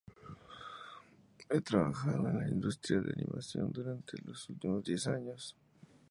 Ha trabajado en la industria de la animación desde los últimos diez años.